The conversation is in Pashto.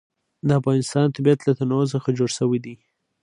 د افغانستان طبیعت له تنوع څخه جوړ شوی دی.